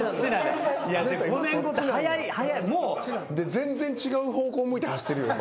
全然違う方向向いて走ってるよ。